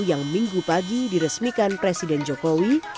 yang minggu pagi diresmikan presiden jokowi